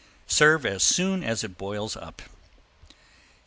Serve as soon as it boils up.